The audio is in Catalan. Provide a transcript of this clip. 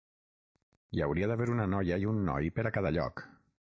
Hi hauria d'haver una noia i un noi per a cada lloc.